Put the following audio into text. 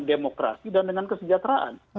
demokrasi dan dengan kesejahteraan